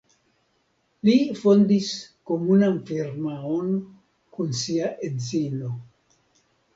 Li fondis komunan firmaon kun sia edzino.